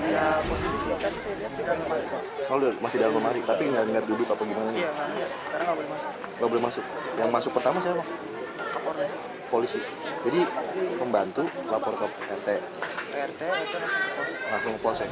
jadi pembantu lapor ke rt